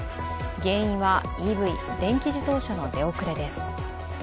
原因はＥＶ＝電気自動車の出遅れです。